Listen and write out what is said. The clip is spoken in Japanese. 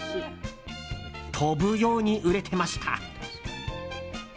飛ぶように売れてました。